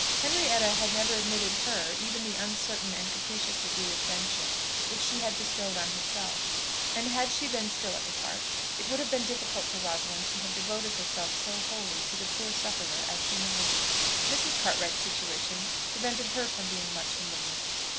Henrietta had never admitted her even to the uncertain and capricious degree of friendship which she had bestowed on herself; and had she been still at the Park, it would have been difficult for Rosalind to have devoted herself so wholly to the poor sufferer as she now did. Mrs. Cartwright's situation prevented her from being much in the room.